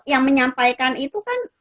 yang menyampaikan itu kan